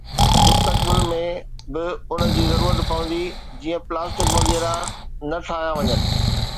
مستقبل ۾ به ان جي ضرورت پوندي، جيئن پلاسٽڪ وغيره نه ٺاهيا وڃن